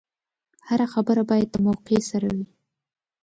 هره خبره باید د موقع سره وي.